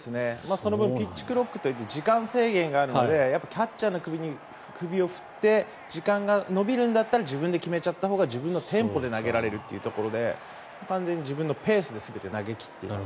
その分ピッチクロックといって時間制限があるのでキャッチャーに首を振って時間が延びるなら自分で決めたほうが自分のテンポで投げられるというところで完全に自分のペースで全て投げ切っています。